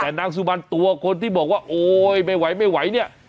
แต่นางสุบันตัวคนที่บอกว่าโอ๊ยไม่ไหวไม่ไหวเนี่ย